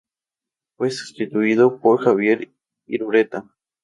Fue sustituido por Javier Irureta.